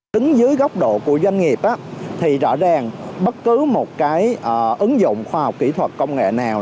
tính dưới góc độ của doanh nghiệp thì rõ ràng bất cứ một cái ứng dụng khoa học kỹ thuật công nghệ nào